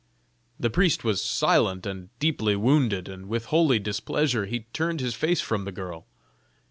The priest was silent and deeply wounded, and with holy displeasure he turned his face from the girl.